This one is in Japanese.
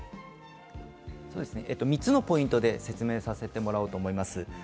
３つのポイントで説明させてもらおうと思います。